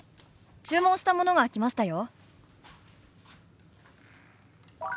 注文したものが来ましたよ」。